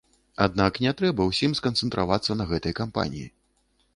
Аднак, не трэба ўсім сканцэнтравацца на гэтай кампаніі.